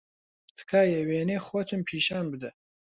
تکایە وێنەی خۆتم پیشان بدە.